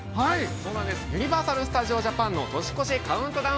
◆ユニバーサル・スタジオ・ジャパンの年越しカウントダウン